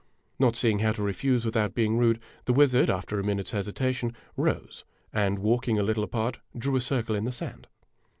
Not seeing how to refuse without being rude, the wizard, after a minute's hesitation, rose and, walking a little apart, drew a circle in the sand.